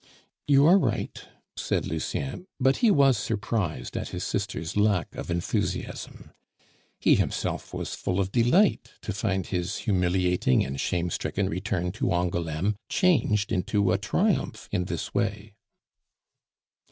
"You are right," said Lucien, but he was surprised at his sister's lack of enthusiasm. He himself was full of delight to find his humiliating and shame stricken return to Angouleme changed into a triumph in this way.